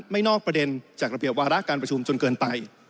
นอกประเด็นจากระเบียบวาระการประชุมจนเกินไป